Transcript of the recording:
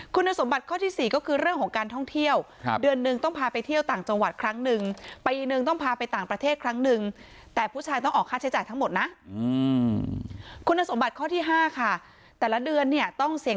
คุณสมบัติข้อที่สี่ก็คือเรื่องของการท่องเที่ยวเดือนนึงต้องพาไปเที่ยวต่างจังหวัดครั้งนึง